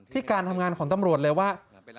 การทำงานของตำรวจเลยว่า